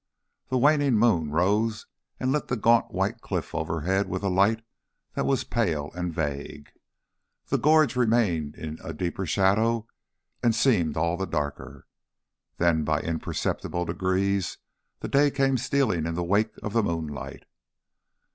The waning moon rose and lit the gaunt white cliff overhead with a light that was pale and vague. The gorge remained in a deeper shadow and seemed all the darker. Then by imperceptible degrees, the day came stealing in the wake of the moonlight.